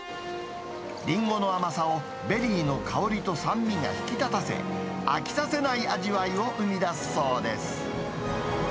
リンゴの甘さをベリーの香りと酸味が引き立たせ、飽きさせない味わいを生み出すそうです。